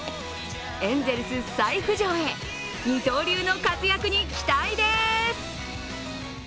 エンゼルス再浮上へ二刀流の活躍に期待です。